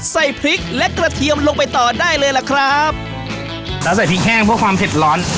ใส่พริกและกระเทียมลงไปต่อได้เลยล่ะครับแล้วใส่พริกแห้งเพราะความเผ็ดร้อน